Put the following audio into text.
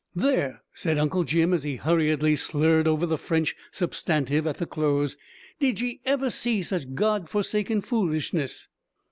"There!" said Uncle Jim, as he hurriedly slurred over the French substantive at the close, "did ye ever see such God forsaken foolishness?"